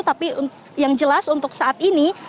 tapi yang jelas untuk saat ini